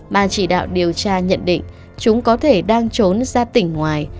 màn chỉ đạo điều tra nhận định chúng có thể đang trốn ra tỉnh ngoài